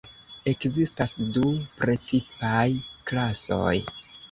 Ekzistas du precipaj klasoj.